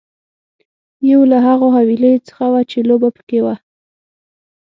یو له هغو حويليو څخه وه چې لوبه پکې وه.